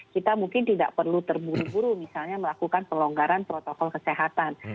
kita mungkin tidak perlu terburu buru misalnya melakukan pelonggaran protokol kesehatan